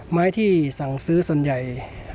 ไม้ที่สั่งซื้อส่วนใหญ่